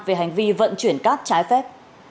về hành vi vận chuyển các trái phép